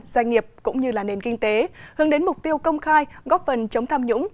doanh nghiệp cũng như là nền kinh tế hướng đến mục tiêu công khai góp phần chống tham nhũng